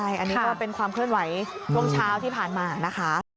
อันนี้ก็เป็นความเคลื่อนไหวช่วงเช้าที่ผ่านมานะคะ